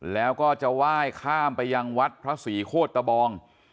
แล้วก็จะไหว้ข้ามไปยังวัดพระศรีโคตะบอง